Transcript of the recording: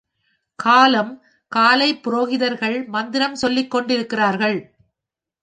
காலம் காலை புரோகிதர்கள் மந்திரம் சொல்லிக்கொண்டிருக்கிறார்கள்.